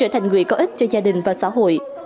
trở thành người có ích cho gia đình và xã hội